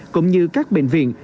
cũng như các bệnh viện